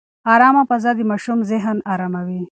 ارامه فضا د ماشوم ذهن اراموي.